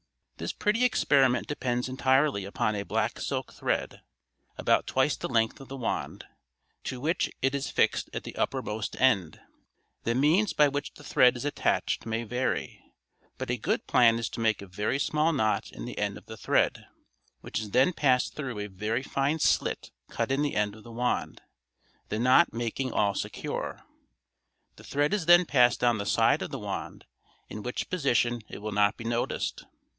This pretty experiment depends entirely upon a black silk thread, about twice the length of the wand, to which it is fixed at the uppermost end. The means by which the thread is attached may vary, but a good plan is to make a very small knot in the end of the thread, which is then passed through a very fine slit cut in the end of the wand, the knot making all secure. The thread is then passed down the side of the wand, in which position it will not be noticed.